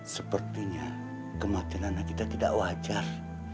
sepertinya kematian anak kita tidak wajar